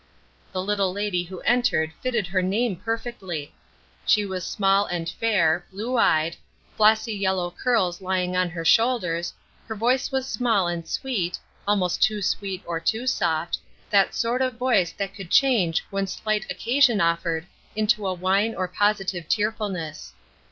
The little lady who entered fitted her name perfectly. She was small and fair, blue eyed, flossy yellow curls lying on her shoulders, her voice was small and sweet, almost too sweet or too soft, that sort of voice that could change when slight occasion offered into a whine or positive tearfulness.